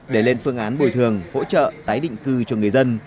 để lên phương án bồi thường hỗ trợ tái định cư cho người dân